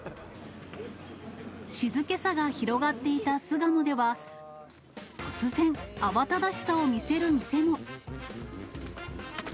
静けさが広がっていた巣鴨では、突然、慌ただしさを見せる店も。